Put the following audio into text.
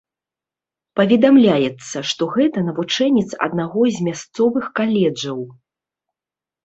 Паведамляецца, што гэта навучэнец аднаго з мясцовых каледжаў.